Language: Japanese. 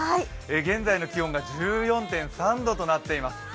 現在の気温が１４．３度となっています。